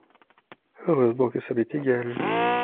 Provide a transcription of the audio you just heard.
Heureusement que ça m'est égal.